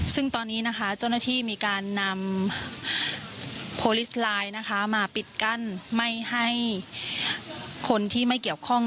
ซึ่งตอนนี้นะคะเจ้าหน้าที่มีการนำโพลิสไลน์นะคะมาปิดกั้นไม่ให้คนที่ไม่เกี่ยวข้อง